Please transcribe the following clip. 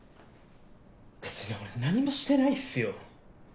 別に俺何もしてないっすよ。